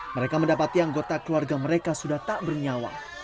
mereka mendapati anggota keluarga mereka sudah tak bernyawa